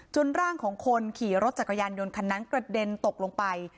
ร่างของคนขี่รถจักรยานยนต์คันนั้นกระเด็นตกลงไป